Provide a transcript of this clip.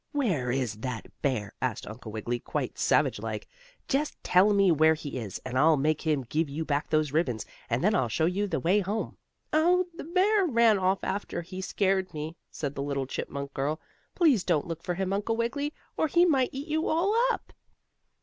"Where is that bear?" asked Uncle Wiggily, quite savage like. "Just tell me where he is, and I'll make him give you back those ribbons, and then I'll show you the way home." "Oh, the bear ran off after he scared me," said the little chipmunk girl. "Please don't look for him, Uncle Wiggily, or he might eat you all up."